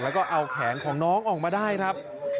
แล้วก็เอาแขนของน้องออกมาได้ครับ